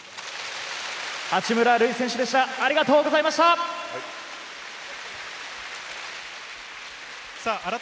八村塁選手でした。